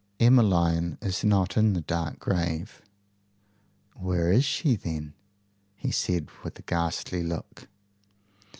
"Emmeline is not in the dark grave." "Where is she, then?" he said with a ghastly look.